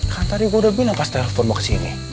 kan tadi gue udah bilang pas telepon mau kesini